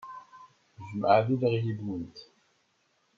Jjmeɣ ad iliɣ yid-went.